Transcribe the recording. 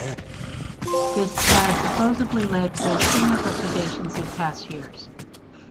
This has supposedly led to a string of liquidations in past years.